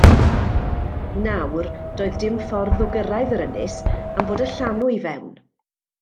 Nawr, doedd dim ffordd o gyrraedd yr ynys, am fod y llanw i fewn.